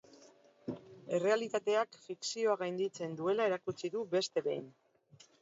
Errealitateak fikzioa gainditzen duela erakutsi du beste behin.